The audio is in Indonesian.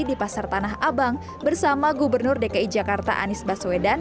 di pasar tanah abang bersama gubernur dki jakarta anies baswedan